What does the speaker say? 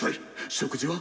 食事は？